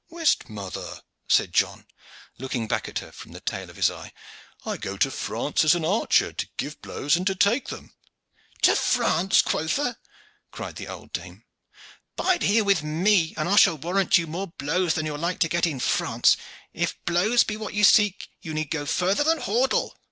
"Whist, mother," said John, looking back at her from the tail of his eye, "I go to France as an archer to give blows and to take them." "To France, quotha?" cried the old dame. "Bide here with me, and I shall warrant you more blows than you are like to get in France. If blows be what you seek, you need not go further than Hordle."